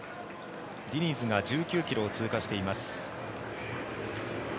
ディニズが１９ｋｍを通過しています。